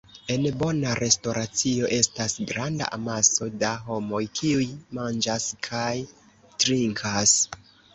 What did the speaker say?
En bona restoracio estas granda amaso da homoj, kiuj manĝas kaj trinkas.